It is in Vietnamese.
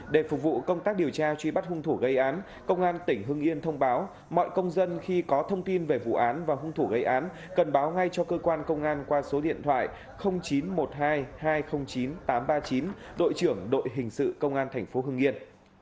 để phục vụ công tác điều tra truy bắt hung thủ gây án công an tỉnh hưng yên thông báo mọi công dân khi có thông tin về vụ án và hung thủ gây án cần báo ngay cho cơ quan công an qua số điện thoại chín trăm một mươi hai hai trăm linh chín tám trăm ba mươi chín đội trưởng đội hình sự công an thành phố hưng yên